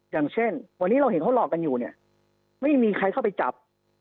อย่างเช่นวันนี้เราเห็นเขาหลอกกันอยู่เนี่ยไม่มีใครเข้าไปจับ